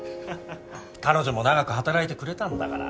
彼女も長く働いてくれたんだから。